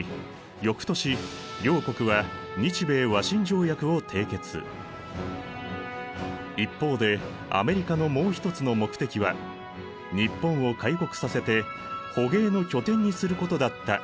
翌年両国は一方でアメリカのもう一つの目的は日本を開国させて捕鯨の拠点にすることだったといわれている。